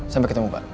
sampai ketemu pak